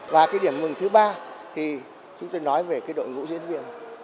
và cái điểm mừng thứ ba thì chúng tôi nói về cái đội ngũ diễn viên